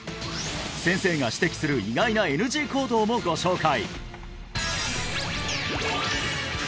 先生が指摘する意外なＮＧ行動もご紹介